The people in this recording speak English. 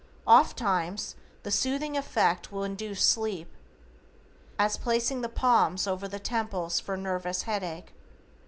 Oft'times the soothing effect will induce sleep. As placing the palms over the temples for nervous headache.